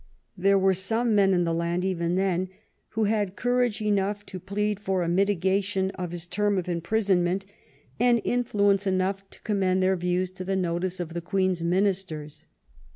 There were some men in the land, even then, who had courage enough to plead for a mitigation of his term of im prisonment, and influence enough to conmiend their views to the notice of the Queen's ministers.